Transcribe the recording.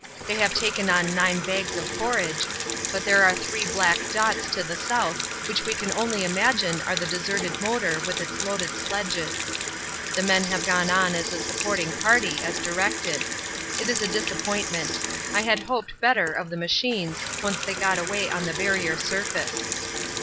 They have taken on nine bags of forage, but there are three black dots to the south which we can only imagine are the deserted motor with its loaded sledges. The men have gone on as a supporting party, as directed. It is a disappointment. I had hoped better of the machines once they got away on the Barrier Surface.